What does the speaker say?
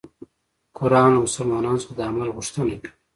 قرآن له مسلمان څخه د عمل غوښتنه کوي.